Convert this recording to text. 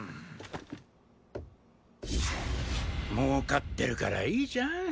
儲かってるからいいじゃーん。